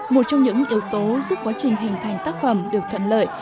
một trong những yếu tố giúp quá trình hình thành tác phẩm được thuận lợi